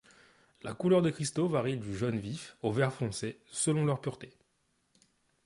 La couleur des cristaux varie du jaune vif au vert foncé selon leur pureté.